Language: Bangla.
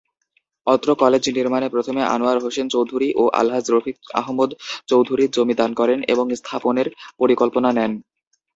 অত্র কলেজ নির্মাণে প্রথমে আনোয়ার হোসেন চৌধুরী ও আলহাজ্ব রফিক আহমদ চৌধুরী জমি দান করেন এবং স্থাপনের পরিকল্পনা নেন।